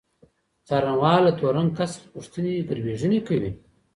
څارنوال له تورن کس څخه پوښتني ګروېږنې کوي.